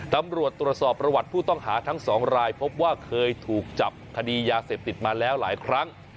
ตำรวจตรวจสอบประวัติผู้ต้องหาทั้งสองรายพบว่าเคยถูกจับคดียาเสพติดมาแล้วหลายครั้ง